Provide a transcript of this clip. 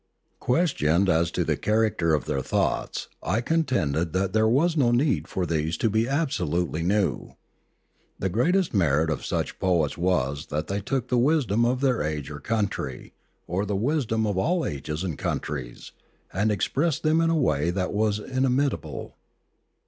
Questioned as to the character of their thoughts, I contended that there was no need for these to be absolutely new; the greatest merit of such poets was that they took the wisdom of their age or country, or the wisdom of all ages and countries, and expressed it in a way that was inimitable.